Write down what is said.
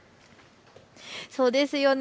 そうですよね。